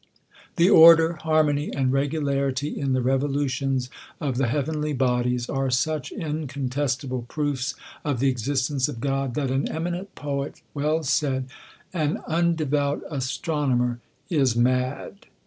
The order, harmony, and regularity in the revolutions of the heavenly bodies, are such incontestible proofs of the existence of God, that an eminent poet well said, *' An undevout astronomer is mad."